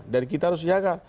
dan kita harus jaga